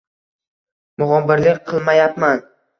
Mug`ombirlik qilmayapman